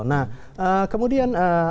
nah kemudian asumsi bahwa